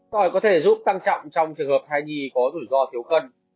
hỏi có thể giúp tăng trọng trong trường hợp thai nhi có rủi ro thiếu cân